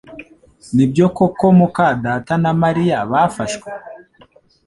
Nibyo koko muka data na Mariya bafashwe?